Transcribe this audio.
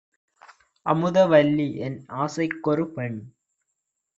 "அமுத வல்லிஎன் ஆசைக் கொருபெண்!